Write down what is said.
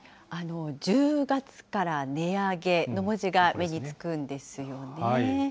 １０月から値上げの文字が目につくんですよね。